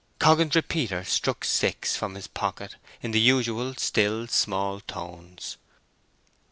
Coggan's repeater struck six from his pocket in the usual still small tones.